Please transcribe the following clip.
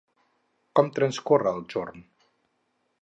Com transcorre el jorn?